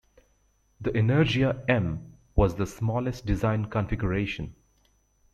The Energia M was the smallest design configuration.